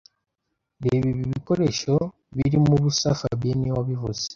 Reba ibi bikoresho birimo ubusa fabien niwe wabivuze